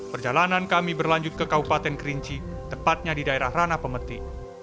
perjalanan kami berlanjut ke kabupaten kerinci tepatnya di daerah rana pemeti